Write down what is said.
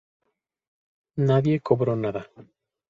Nadie cobró nada.